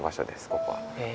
ここは。へ。